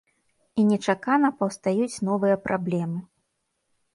І нечакана паўстаюць новыя праблемы.